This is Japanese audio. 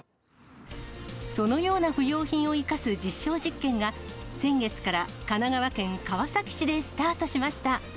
そのような不用品を生かす実証実験が、先月から神奈川県川崎市でスタートしました。